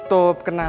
tidak ada yang nanya